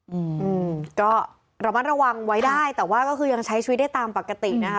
อืมก็ระมัดระวังไว้ได้แต่ว่าก็คือยังใช้ชีวิตได้ตามปกตินะคะ